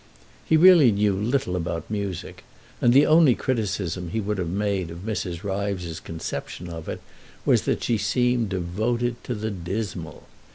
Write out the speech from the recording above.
He really knew little about music, and the only criticism he would have made of Mrs. Ryves's conception of it was that she seemed devoted to the dismal.